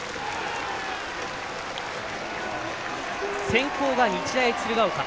先攻が日大鶴ヶ丘。